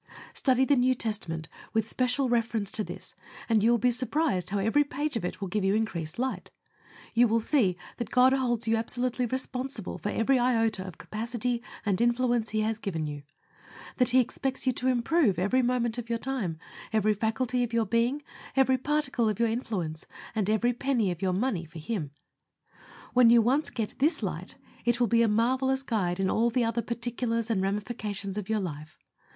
Study the New Testament with special reference to this, and you will be surprised how every page of it will give you increased light. You will see that God holds you absolutely responsible for every iota of capacity and influence He has given you, that He expects you to improve every moment of your time, every faculty of your being, every particle of your influence, and every penny of your money for Him. When you once get this light, it will be a marvelous guide in all the other particulars and ramifications of your life.